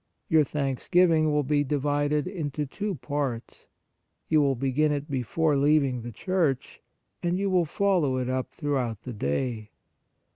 Your thanksgiving will be divided into two parts : you will begin it before leaving the church, and you will follow it up throughout the day.